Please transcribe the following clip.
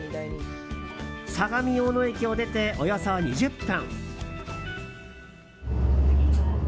相模大野駅を出て、およそ２０分。